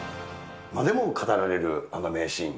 今でも語られるあの名シーン。